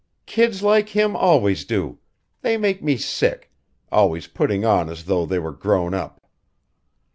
"Kids like him always do. They make me sick always putting on as though they were grown up."